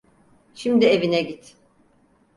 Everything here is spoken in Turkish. Şimdi evine git.